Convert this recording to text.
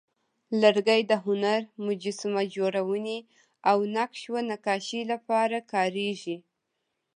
لرګی د هنر، مجسمه جوړونې، او نقش و نقاشۍ لپاره کارېږي.